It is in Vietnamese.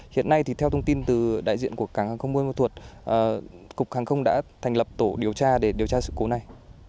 hiện nay thì theo thông tin từ đại diện của cảng hàng không bôn ma thuột cục hàng không đã thành lập tổ điều tra để điều tra sự cố này